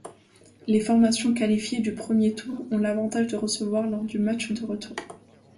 Les formations qualifiées du premier tour ont l'avantage de recevoir lors du match retour.